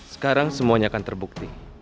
sekarang semuanya akan terbukti